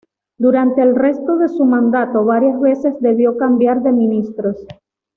Durante el resto de su mandato, varias veces debió cambiar de ministros.